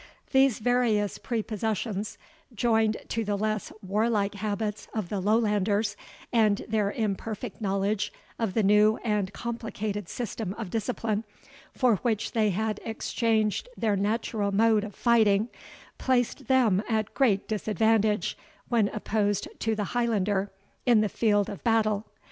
These various prepossessions, joined to the less warlike habits of the Lowlanders, and their imperfect knowledge of the new and complicated system of discipline for which they had exchanged their natural mode of fighting, placed them at great disadvantage when opposed to the Highlander in the field of battle.